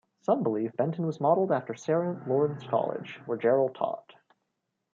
Some believe Benton was modeled after Sarah Lawrence College, where Jarrell taught.